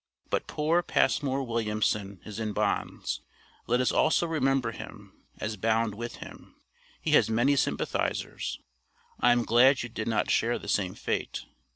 But poor Passmore Williamson is in bonds. Let us also remember him, as bound with him. He has many sympathizers. I am glad you did not share the same fate.